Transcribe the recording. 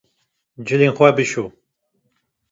Cilên xwe bişo